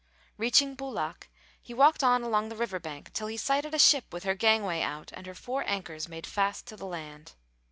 Reaching Bulak he walked on along the riverbank till he sighted a ship with her gangway out and her four anchors made fast to the land.